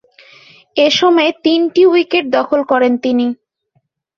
এ সময়ে তিনটি উইকেট দখল করেন তিনি।